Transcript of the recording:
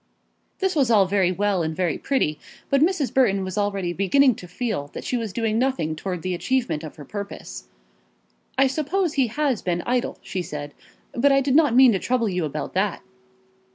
This was all very well and very pretty, but Mrs. Burton was already beginning to feel that she was doing nothing towards the achievement of her purpose. "I suppose he has been idle," she said, "but I did not mean to trouble you about that."